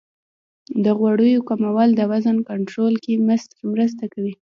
د غوړیو کمول د وزن کنټرول کې مرسته کوي.